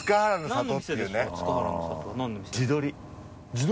地鶏？